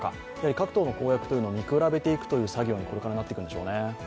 各党の公約を見比べていくという作業にこれからなっていくんでしょうね。